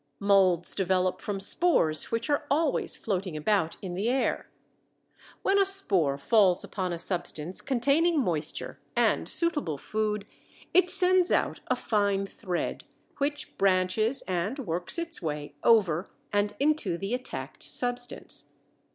Molds develop from spores which are always floating about in the air. When a spore falls upon a substance containing moisture and suitable food it sends out a fine thread, which branches and works its way over and into the attacked substance.